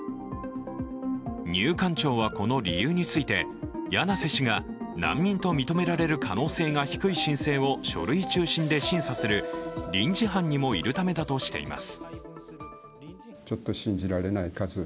入管庁はこの理由について柳瀬氏が難民と認められる可能性が書類中心で審査する臨時班にもいるためだとしています。